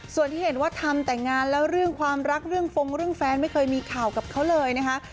ส่วนที่เห็นว่าทำแต่งงานแล้วเรื่องความรักเรื่องฟงเรื่องแฟนไม่เคยมีข่าวกับเขาเลยนะคะ